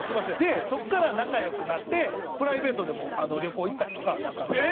そこから仲良くなってプライベートでも旅行行ったりとかなんか。